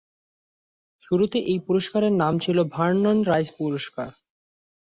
শুরুতে এই পুরস্কারের নাম ছিল ভার্নন রাইস পুরস্কার।